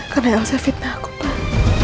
kau tidak usah fitnah aku pak